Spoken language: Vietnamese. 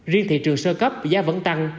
riêng thị trường sơ cấp giá vẫn tăng